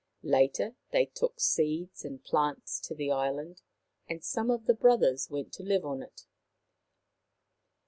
Later, they took seeds and plants to the island and some of the brothers went to live on it.